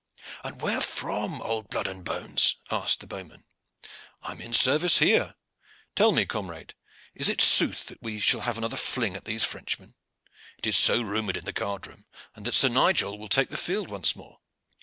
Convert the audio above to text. "And where from, old blood and bones?" asked the bowman. "I am in service here. Tell me, comrade, is it sooth that we shall have another fling at these Frenchmen? It is so rumored in the guard room, and that Sir Nigel will take the field once more."